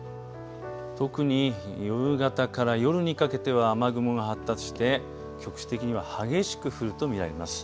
特に夕方から夜にかけては雨雲が発達して局地的には激しく降ると見られます。